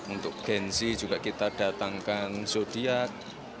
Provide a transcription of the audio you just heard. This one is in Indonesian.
untuk gen z juga kita datangkan zodiac